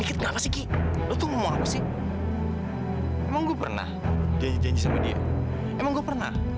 kita sampai ini amira